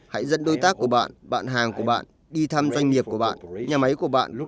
hãy dẫn đối tác của bạn bạn hàng của bạn đi thăm doanh nghiệp của bạn nhà máy của bạn